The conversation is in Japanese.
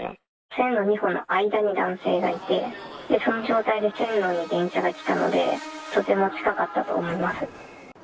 線路２本の間に男性がいて、その状態で線路に電車が来たので、とても近かったと思います。